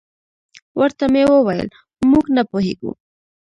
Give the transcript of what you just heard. ورته مې وویل: موږ نه پوهېږو.